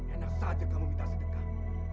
enak saja kamu minta sedekah